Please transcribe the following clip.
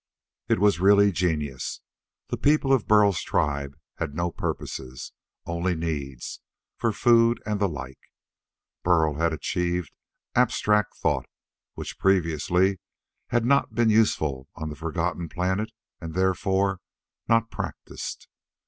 It was really genius. The people of Burl's tribe had no purposes, only needs for food and the like. Burl had achieved abstract thought which previously had not been useful on the forgotten planet and, therefore, not practised.